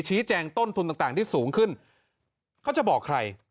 แจ้งต้นทุนต่างที่สูงขึ้นเขาจะบอกใคร